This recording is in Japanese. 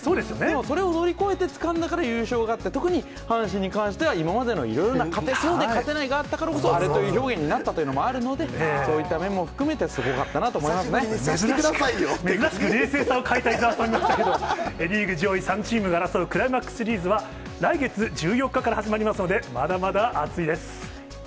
それを乗り越えてつかんだから優勝があって、特に阪神に関しては、今までのいろいろな、勝てそうで勝てないがあったからこそ、アレという表現になったというのもあるので、そういった面も含めて、すごかったなと思いま珍しく冷静さを欠いた伊沢さんでしたけど、リーグ上位３チームが争うクライマックスシリーズは、来月１４日から始まりますので、まだまだ熱いです。